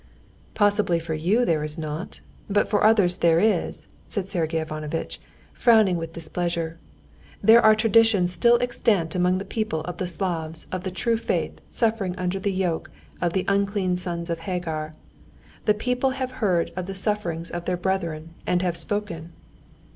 "Possibly for you there is not; but for others there is," said Sergey Ivanovitch, frowning with displeasure. "There are traditions still extant among the people of Slavs of the true faith suffering under the yoke of the 'unclean sons of Hagar.' The people have heard of the sufferings of their brethren and have spoken."